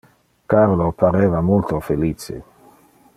Carolo pareva multo felice.